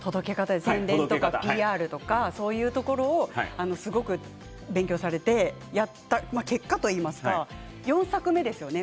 宣伝とかＰＲとかそういうところをすごく勉強してやった結果といいますか４作目ですよね